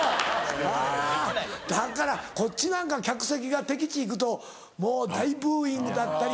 はぁだからこっちなんか客席が敵地行くともう大ブーイングだったり。